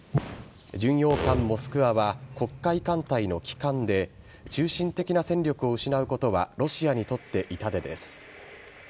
巡洋艦「モスクワ」は黒海艦隊の旗艦で中心的な戦力を失うことはロシアにとって痛手です。